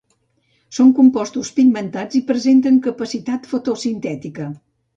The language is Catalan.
Són compostos pigmentats i presenten capacitat fotosintètica.